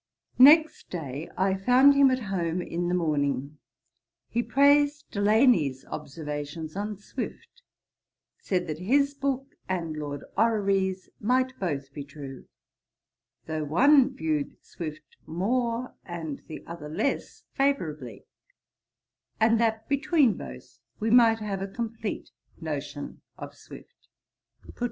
Next day I found him at home in the morning. He praised Delany's Observations on Swift; said that his book and Lord Orrery's might both be true, though one viewed Swift more, and the other less favourably; and that, between both, we might have a complete notion of Swift.